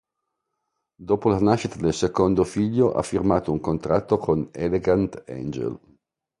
Dopo la nascita del secondo figlio ha firmato un contratto con Elegant Angel.